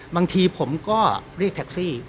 บางทีผมก็เรียกแท็กซี่